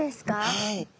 はい。